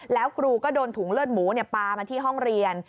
แล้วครูก็โดนถุงเลือดหมูปลามาที่ห้องเรียน